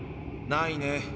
ないね。